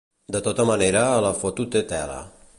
De tota manera, la foto té tela.